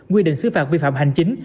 quy định xứ phạm vi phạm hành chính